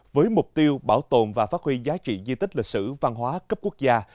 với mục tiêu bảo tồn và phát huy giá trị di tích lịch sử văn hóa cấp quốc gia